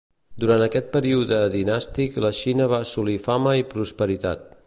Durant aquest període dinàstic la Xina va assolir fama i prosperitat.